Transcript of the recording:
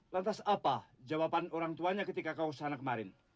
lantas apa jawaban orang tuanya ketika kau kesana kemarin